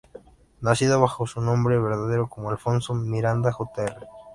Nacido bajo su nombre verdadero como Alfonso Miranda, Jr.